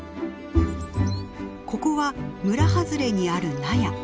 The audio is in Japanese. ここは村外れにある納屋。